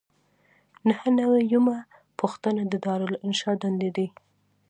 نهه نوي یمه پوښتنه د دارالانشا دندې دي.